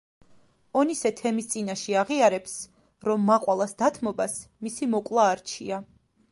ონისე თემის წინაშე აღიარებს, რომ მაყვალას დათმობას მისი მოკვლა არჩია.